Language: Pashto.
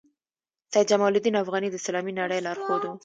سید جمال الدین افغاني د اسلامي نړۍ لارښود وو.